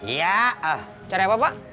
iya cari apa mbak